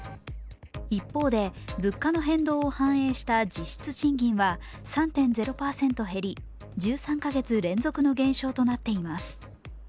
一方で物価の変動を反映した実質賃金は３．０％減り１３か月連続の減少となっています。